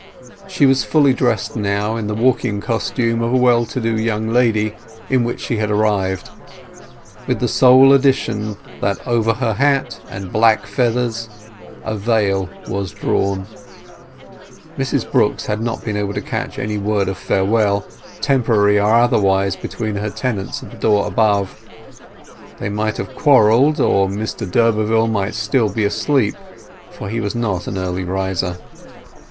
She was fully dressed now in the walking costume of a well to do young lady in which she had arrived, with the sole addition that over her hat and black feathers a veil was drawn. Mrs Brooks had not been able to catch any word of farewell, temporary or otherwise, between her tenants at the door above. They might have quarrelled, or Mr d'Urberville might still be asleep, for he was not an early riser.